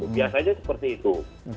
biasanya seperti itu